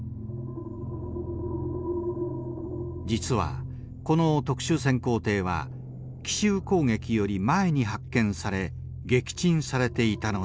実はこの特殊潜航艇は奇襲攻撃より前に発見され撃沈されていたのである。